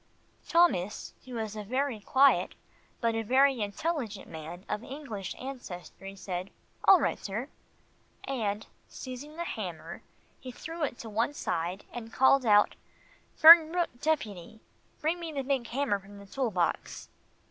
Thomas, who is a very quiet, but a very intelligent, man of English ancestry, said, "All right, sir," and seizing the hammer, he threw it to one side and called out, "Fernbrook Deputy, bring me the big hammer from the tool box."